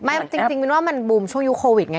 จริงมินว่ามันบูมช่วงยุคโควิดไง